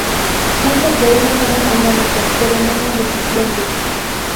Muchos de ellos son económicos pero no muy eficientes.